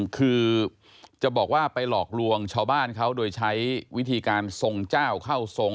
คือจะบอกว่าไปหลอกลวงชาวบ้านเขาโดยใช้วิธีการทรงเจ้าเข้าทรง